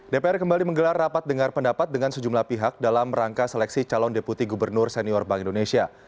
dpr kembali menggelar rapat dengar pendapat dengan sejumlah pihak dalam rangka seleksi calon deputi gubernur senior bank indonesia